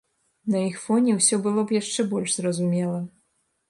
На іх фоне ўсё было б яшчэ больш зразумела.